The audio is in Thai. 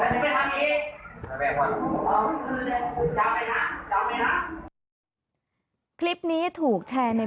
อย่าไปน้ำอย่าไปน้ำคลิปนี้ถูกแชร์ใน